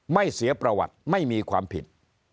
เสียประวัติไม่มีความผิด